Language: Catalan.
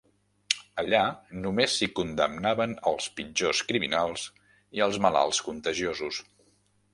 Allà només s'hi condemnaven els pitjors criminals i els malalts contagiosos.